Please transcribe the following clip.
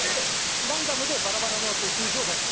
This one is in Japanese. ランダムでバラバラの数字を出してる。